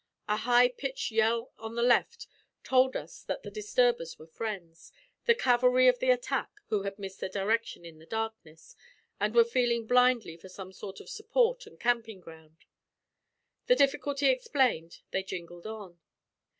A high pitched yell on the left told us that the disturbers were friends the cavalry of the attack, who had missed their direction in the darkness, and were feeling blindly for some sort of support and camping ground. The difficulty explained, they jingled on.